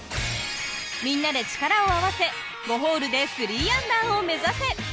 みんなで力を合わせ５ホールで３アンダーを目指せ。